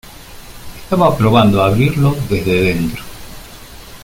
estaba probando a abrirlo desde dentro.